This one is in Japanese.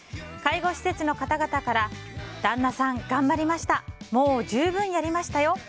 介護施設の方々から旦那さん頑張りましたもう十分やりましたよ。